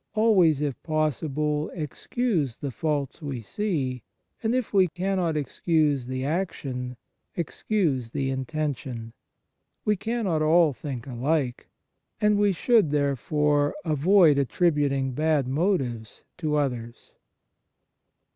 Always, if possible, excuse the faults we see, and if we cannot 83 G 2 Fraternal Charity excuse the action, excuse the intention. We cannot all think alike, and we should, there fore, avoid attributing bad motives to others.